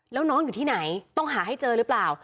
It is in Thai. แล้วน้องอยู่ที่ไหนต้องหาให้เจอหรือเปล่า